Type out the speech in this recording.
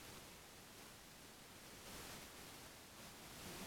Jeho základním pramenem je občanský soudní řád.